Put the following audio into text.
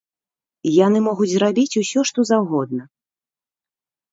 Яны могуць зрабіць усё, што заўгодна.